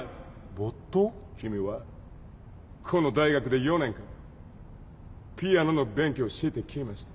君はこの大学で４年間ピアノの勉強をしてきました。